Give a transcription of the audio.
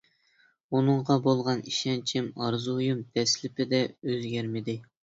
ئۇنىڭغا بولغان ئىشەنچىم، ئارزۇيۇم دەسلىپىدە ئۆزگەرمىدى.